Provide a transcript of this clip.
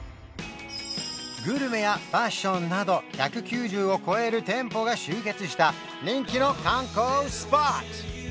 グルメやファッションなど１９０を超える店舗が集結した人気の観光スポット！